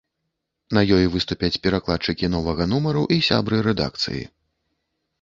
На ёй выступяць перакладчыкі новага нумару і сябры рэдакцыі.